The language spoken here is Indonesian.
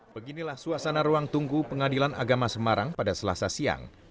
beginilah suasana ruang tunggu pengadilan agama semarang pada selasa siang